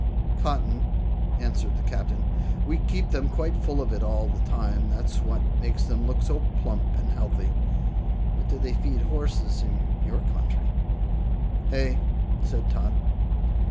"Cotton," answered the Captain. "We keep them quite full of it all the time. That's what makes them look so plump and healthy. What do they feed horses on in your country?" "Hay," said Tot.